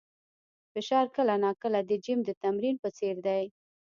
فشار کله ناکله د جیم د تمرین په څېر دی.